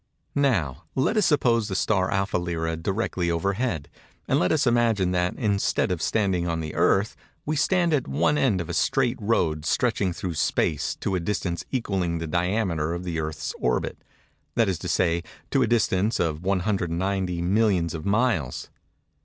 Now, let us suppose the star Alpha Lyræ directly overhead; and let us imagine that, instead of standing on the Earth, we stand at one end of a straight road stretching through Space to a distance equalling the diameter of the Earth's orbit—that is to say, to a distance of 190 millions of miles.